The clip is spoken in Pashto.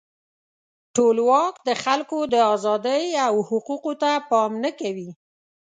ټولواک د خلکو د آزادۍ او حقوقو ته پام نه کوي.